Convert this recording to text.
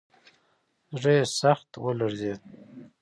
زړه یې سخت ولړزېد.